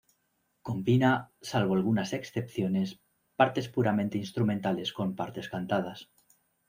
Combina, salvo algunas excepciones, partes puramente instrumentales con partes cantadas.